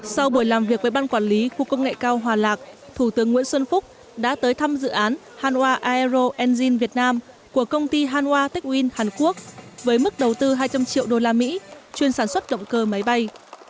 sau buổi làm việc với ban quản lý khu công nghệ cao hòa lạc thủ tướng nguyễn xuân phúc đã tới thăm dự án hanwar aero enzym việt nam của công ty hanwha techwin hàn quốc với mức đầu tư hai trăm linh triệu usd chuyên sản xuất động cơ máy bay